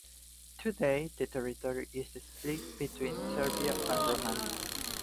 Today, the territory is split between Serbia and Romania.